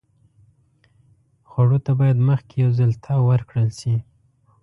خوړو ته باید مخکې یو ځل تاو ورکړل شي.